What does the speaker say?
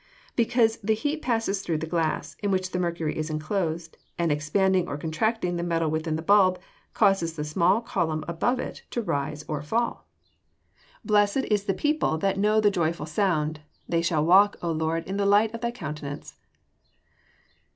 _ Because the heat passes through the glass, in which the mercury is enclosed, and expanding or contracting the metal within the bulb, causes the small column above it to rise or fall. [Verse: "Blessed is the people that know the joyful sound: they shall walk, O Lord, in the light of thy countenance."